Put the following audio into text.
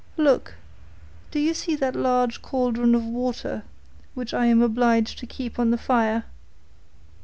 Look, do you see that large cauldron of water which I am obliged to keep on the fire!